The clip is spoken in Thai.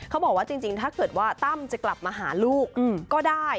เขาบอกว่าจริงถ้าเกิดว่าตั้มจะกลับมาหาลูกก็ได้